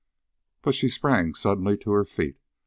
But she sprang suddenly to her feet.